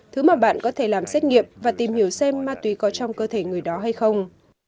thứ mà bạn có thể làm xét nghiệm và tìm hiểu xem ma túy có trong cơ thể người đó hay không